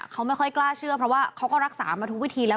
เขาไม่ค่อยกล้าเชื่อเพราะว่าเขาก็รักษามาทุกวิธีแล้ว